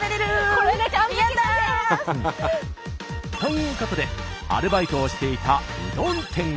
これで完璧だ！ということでアルバイトをしていたうどん店へ。